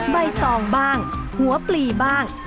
ใบตองบ้างหัวปลีบ้าง